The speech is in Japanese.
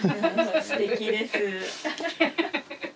すてきです。